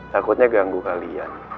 takutnya ganggu kalian